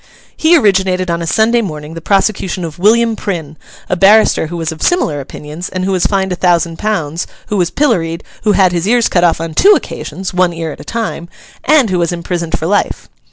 He originated on a Sunday morning the prosecution of William Prynne, a barrister who was of similar opinions, and who was fined a thousand pounds; who was pilloried; who had his ears cut off on two occasions—one ear at a time—and who was imprisoned for life.